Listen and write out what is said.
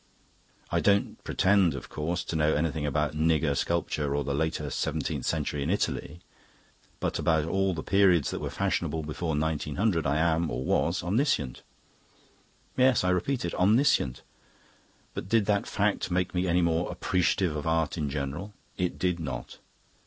I don't pretend, of course, to know anything about nigger sculpture or the later seventeenth century in Italy; but about all the periods that were fashionable before 1900 I am, or was, omniscient. Yes, I repeat it, omniscient. But did that fact make me any more appreciative of art in general? It did not.